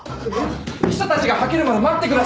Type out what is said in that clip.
記者たちがはけるまで待ってください！